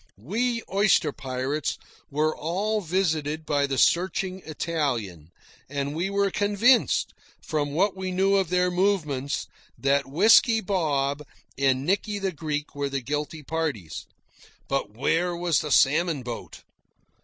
We oyster pirates were all visited by the searching Italian, and we were convinced, from what we knew of their movements, that Whisky Bob and Nicky the Greek were the guilty parties. But where was the salmon boat?